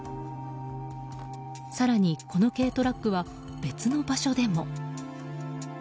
更に、この軽トラックは別の場所でも。